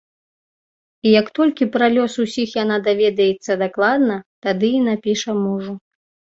І як толькі пра лёс усіх яна даведаецца дакладна, тады і напіша мужу.